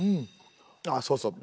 あそうそう。